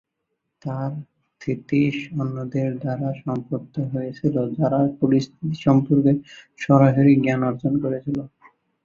তার থিসিস অন্যদের দ্বারা সম্মত হয়েছিল, যারা পরিস্থিতি সম্পর্কে সরাসরি জ্ঞান অর্জন করেছিল।